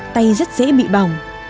tay rất dễ bị bỏng